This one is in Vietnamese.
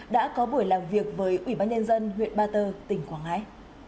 đã có buổi làm việc với ủy ban nhân dân huyện ba tơ tỉnh quảng ngãi